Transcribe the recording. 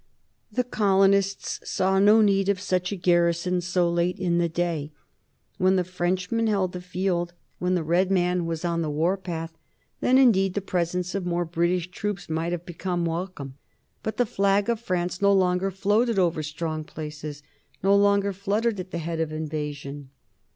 The colonists saw no need of such a garrison so late in the day. When the Frenchmen held the field, when the red man was on the war path, then indeed the presence of more British soldiers might have become welcome. But the flag of France no longer floated over strong places, no longer fluttered at the head of invasion.